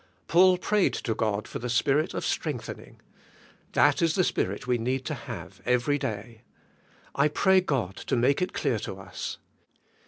Paul prayed to God for the Spirit of streng thening . That is the Spirit we need to have every day. I pray God to make it clear to us.